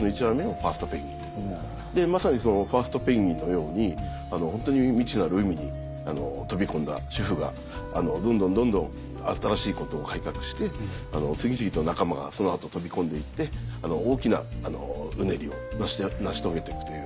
まさにそのファーストペンギンのようにホントに未知なる海に飛び込んだ主婦がどんどんどんどん新しいことを改革して次々と仲間がその後飛び込んで行って大きなうねりを成し遂げて行くという。